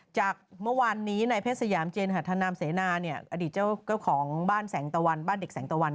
จากเมื่อวานนี้ในเพชรสยามเจนหัฒนามเสนาอดีตเจ้าของบ้านแสงตะวันบ้านเด็กแสงตะวัน